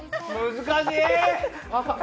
難しい！